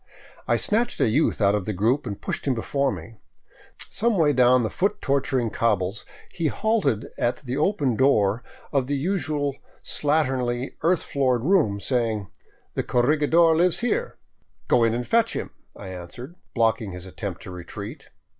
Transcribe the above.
I snatched a youth out of the group and pushed him before me. Some way down the foot torturing cobbles he halted at the open door of the usual slatternly, earth floored room, saying :" The corregidor lives here." " Go in and fetch him," I answered, blocking his attempted retreat.